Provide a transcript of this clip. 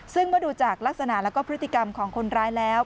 ซึ่งเมื่อดูจากลักษณะแล้วก็พฤติกรรมของคนร้ายแล้ว